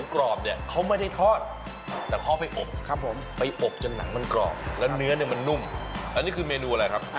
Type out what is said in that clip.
ครับผมหอมครับอร่อยครับ